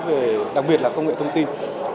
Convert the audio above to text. về đặc biệt là công nghệ thông tin